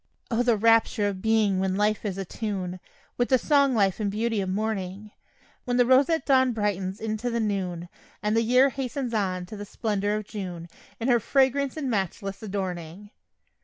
O, the rapture of being when life is a tune With the song life and beauty of morning; When the roseate dawn brightens into the noon, And the year hastens on to the splendor of June, In her fragrance and matchless adorning.